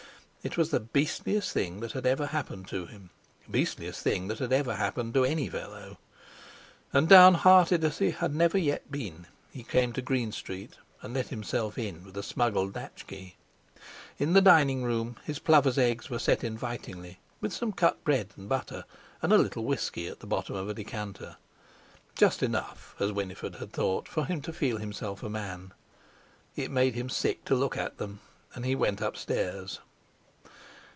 It was the beastliest thing that had ever happened to him—beastliest thing that had ever happened to any fellow! And, down hearted as he had never yet been, he came to Green Street, and let himself in with a smuggled latch key. In the dining room his plover's eggs were set invitingly, with some cut bread and butter, and a little whisky at the bottom of a decanter—just enough, as Winifred had thought, for him to feel himself a man. It made him sick to look at them, and he went upstairs.